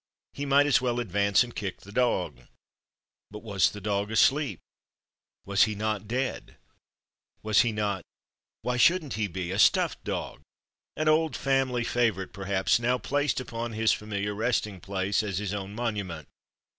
He might as well advance and kick the dog. But was the dog asleep? Was he not dead? Was he not why shouldn't he be a stuffed dog, an old family favorite, perhaps, now placed upon his familiar resting place as his own monument?